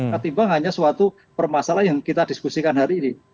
ketimbang hanya suatu permasalahan yang kita diskusikan hari ini